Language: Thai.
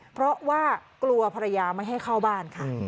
เพราะว่ากลัวภรรยาไม่ให้เข้าบ้านค่ะ